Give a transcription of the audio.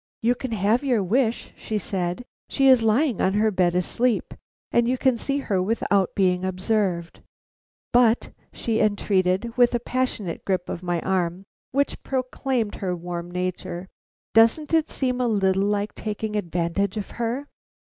"You can have your wish," said she. "She is lying on her bed asleep, and you can see her without being observed. But," she entreated, with a passionate grip of my arm, which proclaimed her warm nature, "doesn't it seem a little like taking advantage of her?"